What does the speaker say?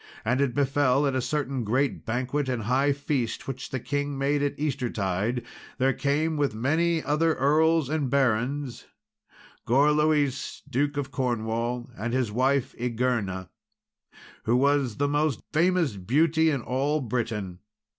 And it befell at a certain great banquet and high feast which the king made at Easter tide, there came, with many other earls and barons, Gorloïs, Duke of Cornwall, and his wife Igerna, who was the most famous beauty in all Britain.